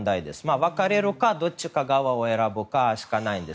別れるかどっちかを選ぶしかない状況です。